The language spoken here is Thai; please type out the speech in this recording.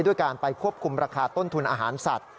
ด้วยการไปควบคุมราคาต้นทุนอาหารสัตว์